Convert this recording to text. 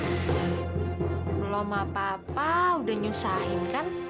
belum apa apa udah nyusahin kan